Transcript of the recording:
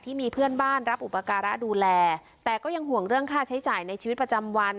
ที่มีเพื่อนบ้านรับอุปการะดูแลแต่ก็ยังห่วงเรื่องค่าใช้จ่ายในชีวิตประจำวัน